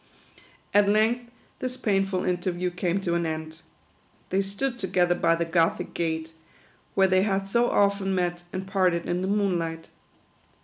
At length this painful interview came to an end. They stood together by the Gothic gate, where they had so often met and parted in the moonlight.